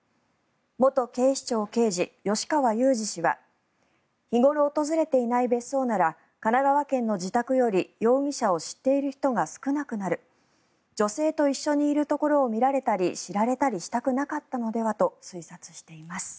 元警視庁刑事、吉川祐二氏は日頃訪れていない別荘なら神奈川県の自宅より容疑者を知っている人が少なくなる女性と一緒にいるところを見られたり、知られたりしたくなかったのではと推察しています。